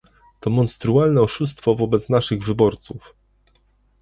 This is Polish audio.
To monstrualne oszustwo wobec naszych wyborców